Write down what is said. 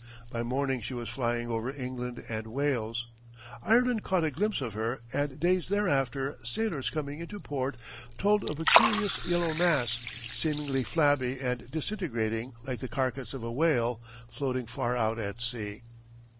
By morning she was flying over England and Wales. Ireland caught a glimpse of her and days thereafter sailors coming into port told of a curious yellow mass, seemingly flabby and disintegrating like the carcass of a whale, floating far out at sea.